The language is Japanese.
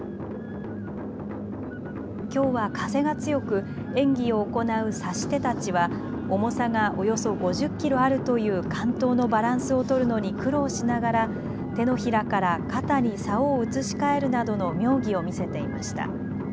きょうは風が強く演技を行う差し手たちは重さがおよそ５０キロあるという竿燈のバランスを取るのに苦労しながら手のひらから肩にさおを移し替えるなどの妙技を見せていました。